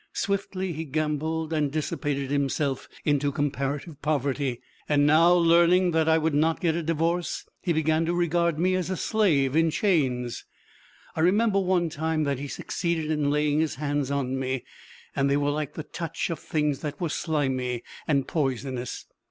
Swiftly he gambled and dissipated himself into comparative poverty. And now, learning that I would not get a divorce, he began to regard me as a slave in chains. I remember, one time, that he succeeded in laying his hands on me, and they were like the touch of things that were slimy and poisonous.